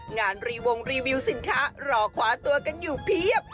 งานรีวงรีวิวสินค้ารอคว้าตัวกันอยู่เพียบ